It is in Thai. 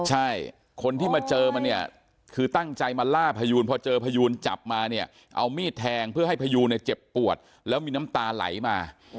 ใช่คนที่มาเจอมันเนี่ยคือตั้งใจมาล่าพยูนพอเจอพยูนจับมาเนี่ยเอามีดแทงเพื่อให้พยูนเนี่ยเจ็บปวดแล้วมีน้ำตาไหลมา